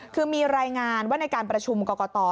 คือมีรายงานว่าในการประชุมกรกต